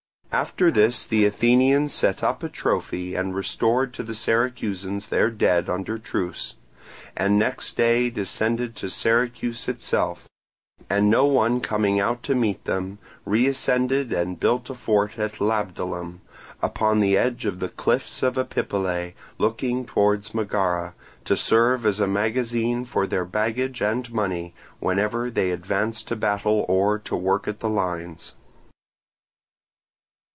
After this the Athenians set up a trophy and restored to the Syracusans their dead under truce, and next day descended to Syracuse itself; and no one coming out to meet them, reascended and built a fort at Labdalum, upon the edge of the cliffs of Epipolae, looking towards Megara, to serve as a magazine for their baggage and money, whenever they advanced to battle or to work at the lines.